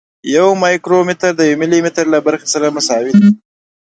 یو مایکرومتر د یو ملي متر له برخې سره مساوي دی.